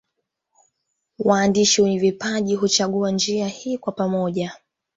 Waandishi wenye vipaji huchagua njia hii kwa pamoja